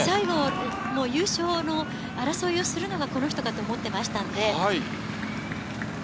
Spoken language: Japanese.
優勝争いをするのはこの人かと思っていましたので。